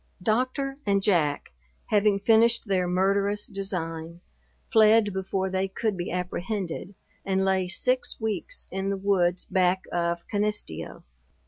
Doctor and Jack, having finished their murderous design, fled before they could be apprehended, and lay six weeks in the woods back of Canisteo.